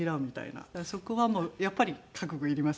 そこはもうやっぱり覚悟いりますよ。